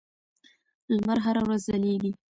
لمر هره ورځ ځلېږي.